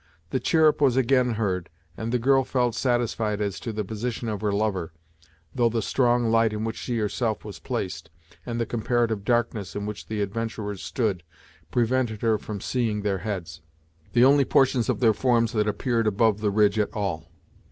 The chirrup was again heard, and the girl felt satisfied as to the position of her lover, though the strong light in which she herself was placed, and the comparative darkness in which the adventurers stood, prevented her from seeing their heads, the only portions of their forms that appeared above the ridge at all.